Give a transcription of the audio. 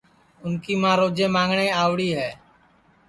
اُن کی ماں روجے مانٚگٹؔے آوڑی ہے